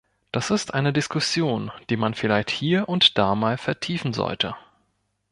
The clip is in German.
Das ist eine Diskussion, die man vielleicht hier und da mal vertiefen sollte.